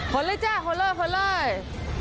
โผล่เลยจ้ะโผล่เลยโผล่เลย